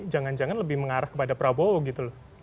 jangan jangan lebih mengarah kepada prabowo gitu loh